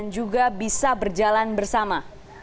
juga bisa berjalan bersama